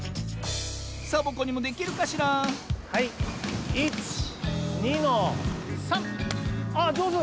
サボ子にもできるかしらはい１２の３！あっじょうず！